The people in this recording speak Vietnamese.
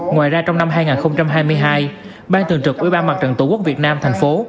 ngoài ra trong năm hai nghìn hai mươi hai ban thường trực ủy ban mặt trận tổ quốc việt nam thành phố